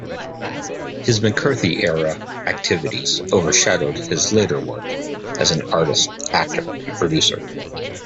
His McCarthy era activities overshadowed his later work as an artist, actor and producer.